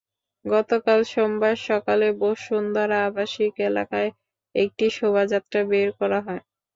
গতকাল সোমবার সকালে বসুন্ধরা আবাসিক এলাকায় একটি শোভাযাত্রা বের করা হয়।